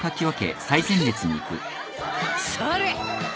それ。